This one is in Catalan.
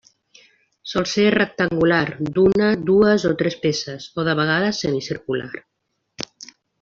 Sol ser rectangular d'una, dues o tres peces, o de vegades semicircular.